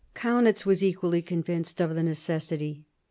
Kaunitz was equally convinced of the necessity.